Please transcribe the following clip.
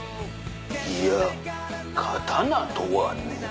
いやぁ刀とはね。